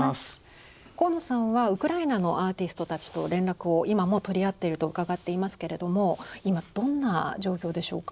鴻野さんはウクライナのアーティストたちと連絡を今も取り合っていると伺っていますけれども今どんな状況でしょうか？